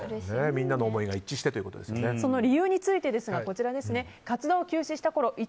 みんなの思いが一致してその理由について活動休止したころ